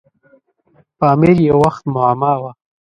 پامیر یو وخت معما وه.